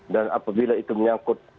dan apabila itu menyangkut